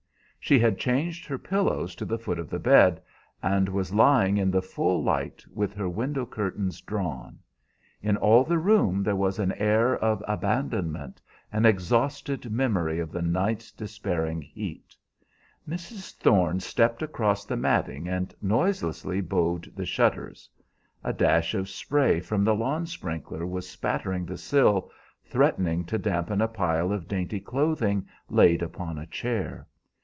She had changed her pillows to the foot of the bed, and was lying in the full light, with her window curtains drawn. In all the room there was an air of abandonment, an exhausted memory of the night's despairing heat. Mrs. Thorne stepped across the matting, and noiselessly bowed the shutters. A dash of spray from the lawn sprinkler was spattering the sill, threatening to dampen a pile of dainty clothing laid upon a chair.